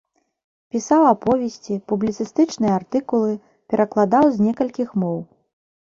Пісаў аповесці, публіцыстычныя артыкулы, перакладаў з некалькіх моў.